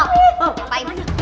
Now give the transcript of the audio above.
kok gak mau